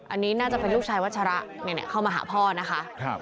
อันนี้น่าจะเป็นลูกชายวัชระเข้ามาหาพ่อนะคะ